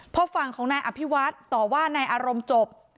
เพราะฟังของนายอภิวัตรต่อว่านายอารมณ์จบ